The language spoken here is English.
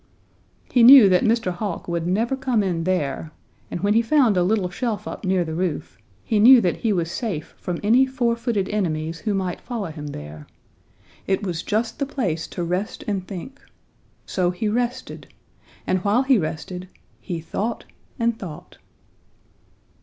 He knew that Mr. Hawk would never come in there, and when he found a little shelf up near the roof, he knew that he was safe from any four footed enemies who might follow him there. It was just the place to rest and think. So he rested, and while he rested, he thought and thought.